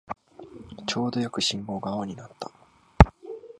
ちょうどよく信号が青になった